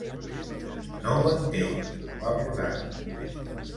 "No ho entenc", va plorar.